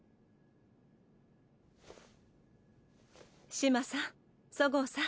島さん十河さん